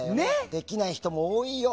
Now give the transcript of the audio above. できない人も多いよ。